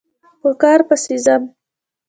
په کار پسې ځم